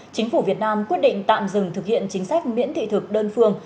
chính phủ việt nam quyết định tạm dừng thực hiện chính sách miễn thị thực đơn phương